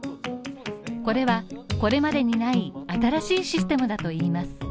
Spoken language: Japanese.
これは、これまでにない新しいシステムだと言います。